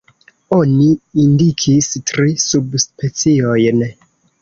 Oni indikis tri subspeciojn.